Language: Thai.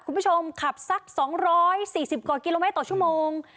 คุณผู้ชมขับสัก๒๔๐กว่ากิโลเมตรต่อชั่วโมง